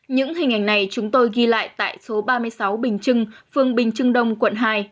những hình ảnh này chúng tôi ghi lại tại số ba mươi sáu bình trưng phương bình trưng đông quận hai